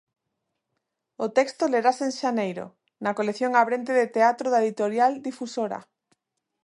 O texto lerase en xaneiro, na colección Abrente de Teatro da editorial Difusora.